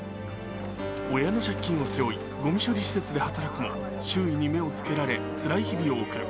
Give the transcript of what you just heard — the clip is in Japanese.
親の借金を背負い、ごみ処理施設で働くも周囲に目をつけられつらい日々を送る。